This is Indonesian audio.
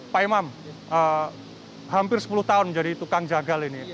pak imam hampir sepuluh tahun menjadi tukang jagal ini